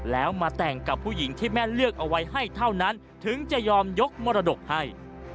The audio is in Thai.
แล้วมาแต่งกับผู้หญิงที่แม่เลือกเอาไว้ให้เท่านั้นถึงจะยอมยกมรดกให้